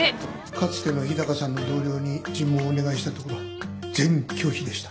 かつての日高さんの同僚に尋問をお願いしたところ全拒否でした。